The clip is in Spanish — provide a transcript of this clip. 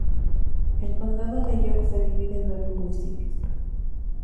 El Condado de York se divide en nueve municipios.